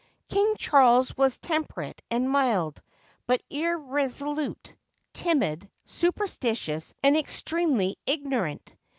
King Charles was temperate and mild, but irresolute, timid, superstitious, and extremely ignorant.